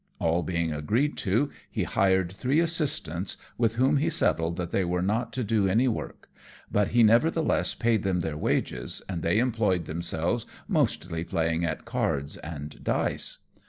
All being agreed to, he hired three assistants, with whom he settled that they were not to do any work; but he nevertheless paid them their wages, and they employed themselves mostly playing at cards and dice.